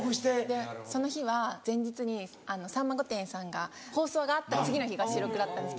でその日は前日に『さんま御殿‼』さんが放送があった次の日が収録だったんですけど。